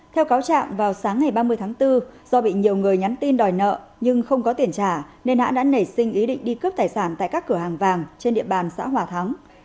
theo cáo trạng vào sáng ngày ba mươi tháng bốn do bị nhiều người nhắn tin đòi nợ nhưng không có tiền trả nên đã nảy sinh ý định đi cướp tài sản tại các cửa hàng vàng trên địa bàn xã hòa thắng